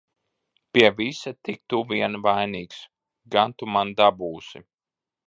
Pie visa tik tu vien vainīgs! Gan tu man dabūsi!